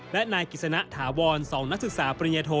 และนายกิจสนะถาวร๒นักศึกษาปริญญโท